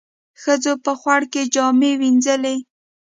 ښځو په خوړ کې جامې وينځلې.